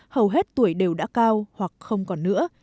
hầu hết tuổi đều đã cao hoặc không còn nữa